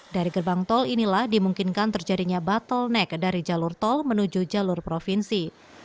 dari gerbang tol inilah dimungkinkan terjadinya bottleneck dari jalur tol menuju jalur provinsi